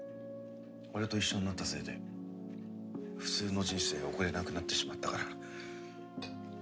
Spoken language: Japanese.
俺と一緒になったせいで普通の人生を送れなくなってしまったから。